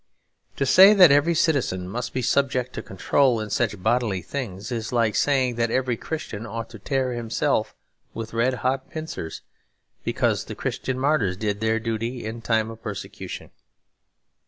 To say that every citizen must be subject to control in such bodily things is like saying that every Christian ought to tear himself with red hot pincers because the Christian martyrs did their duty in time of persecution.